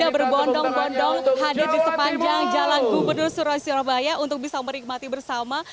berbondong bondong hadir di sepanjang jalan gubernur surabaya untuk bisa menikmati bersama